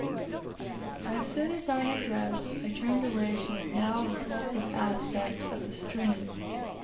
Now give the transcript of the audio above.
As soon as I had dressed I turned away from the now repulsive aspect of the stream.